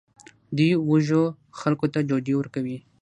دوی وږو خلکو ته ډوډۍ ورکوي.